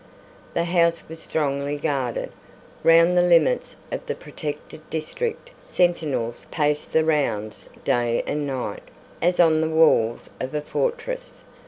The house was strongly guarded. Round the limits of the protected district sentinels paced the rounds day and night, as on the walls of a fortress.